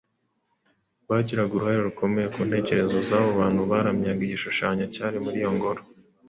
bagiraga uruhare rukomeye ku ntekerezo z’abo bantu baramyaga igishushanyo cyari muri iyo ngoro.